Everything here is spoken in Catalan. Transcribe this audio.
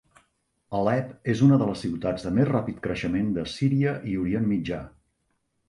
Alep és una de les ciutats de més ràpid creixement de Síria i Orient Mitjà.